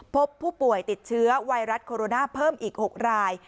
พบผู้ป่วยติดเชื้อไวรัสโคโรนาเพิ่มอีก๖ราย